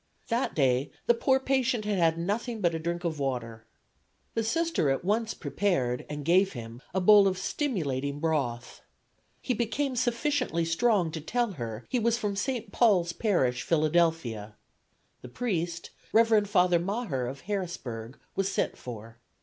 That day the poor patient had had nothing but a drink of water. The Sister at once prepared and gave him a bowl of stimulating broth. He became sufficiently strong to tell her he was from St. Paul's Parish, Philadelphia. The priest, Rev. Father Maher, of Harrisburg, was sent for.